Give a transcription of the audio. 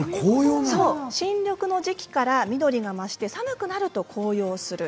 新緑の時期から緑が増して寒くなると紅葉する。